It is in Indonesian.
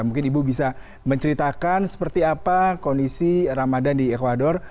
mungkin ibu bisa menceritakan seperti apa kondisi ramadan di ecuador